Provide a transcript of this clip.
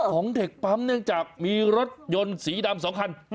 ของเด็กปั๊มเนื่องจากมีรถยนต์สีดำ๒คัน